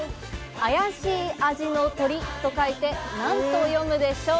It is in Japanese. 「怪しい味の鶏」と書いてなんと読むでしょう？